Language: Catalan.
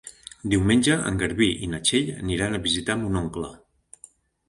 Diumenge en Garbí i na Txell aniran a visitar mon oncle.